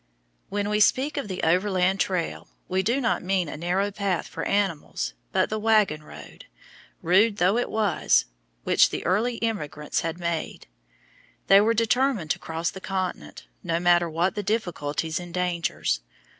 When we speak of the overland trail we do not mean a narrow path for animals, but the wagon road, rude though it was, which the early emigrants had made. They were determined to cross the continent, no matter what the difficulties and dangers.